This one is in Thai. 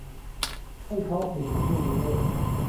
ให้ท้องถิ่นเป็นผู้ริเริ่ม